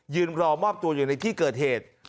รอมอบตัวอยู่ในที่เกิดเหตุ